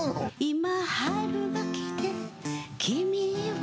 「今春が来て君は」